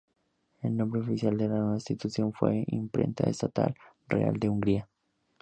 El nombre oficial de la nueva institución fue Imprenta Estatal Real de Hungría.